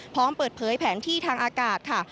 พร้อมเปิดเผยแผนที่ทางอากาศค่ะ